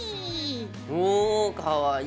うおかわいい。